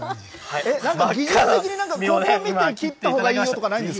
技術的になんか、ここ見て切ったほうがいいよとかないんです